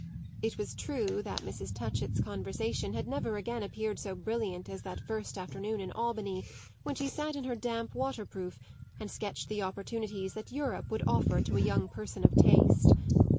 It was true that Mrs. Touchett's conversation had never again appeared so brilliant as that first afternoon in Albany, when she sat in her damp waterproof and sketched the opportunities that Europe would offer to a young person of taste.